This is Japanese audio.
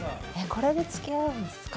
これでつきあうんですか？